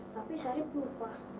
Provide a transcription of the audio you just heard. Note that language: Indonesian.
tapi sari pun lupa